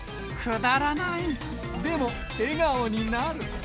くだらない、でも笑顔になる。